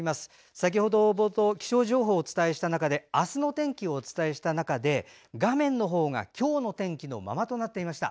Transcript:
先ほど冒頭気象情報をお伝えした中で明日の天気をお伝えした中で画面の方が今日の天気のままとなっていました。